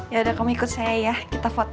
yaudah kamu ikut saya ya kita foto